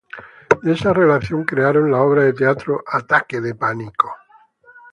De esa relación crearon la obra de teatro "Ataque de pánico".